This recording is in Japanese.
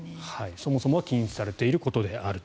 そもそもは禁止されていることであると。